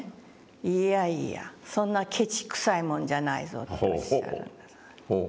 「いやいやそんなケチくさいもんじゃないぞ」とおっしゃる。